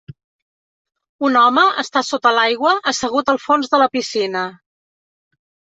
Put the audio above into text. un home està sota l'aigua assegut al fons de la piscina